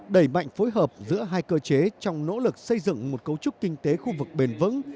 đẩy mạnh phối hợp giữa hai cơ chế trong nỗ lực xây dựng một cấu trúc kinh tế khu vực bền vững